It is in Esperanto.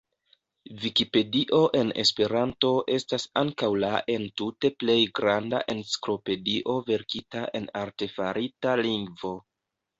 Vikipedio en Esperanto estas ankaŭ la entute plej granda enciklopedio verkita en artefarita lingvo.